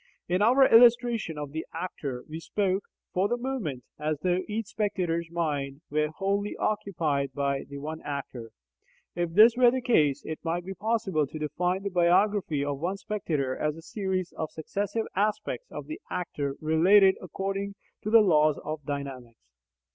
In our illustration of the actor, we spoke, for the moment, as though each spectator's mind were wholly occupied by the one actor. If this were the case, it might be possible to define the biography of one spectator as a series of successive aspects of the actor related according to the laws of dynamics.